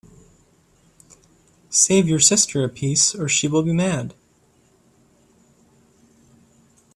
Save you sister a piece, or she will be mad.